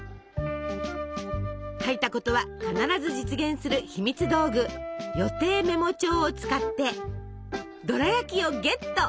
書いたことは必ず実現するひみつ道具「予定メモ帳」を使ってドラやきをゲット！